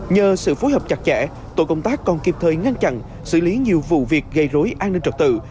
nhờ sự phối hợp chặt chẽ tổ công tác còn kịp thời ngăn chặn xử lý nhiều vụ việc gây rối an ninh trật tự